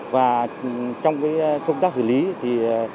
và trong cái công tác xử lý thì